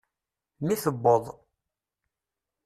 Mi tewweḍ.